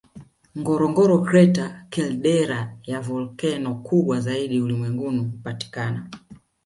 Ngorongoro Crater caldera ya volkeno kubwa zaidi ulimwenguni hupatikana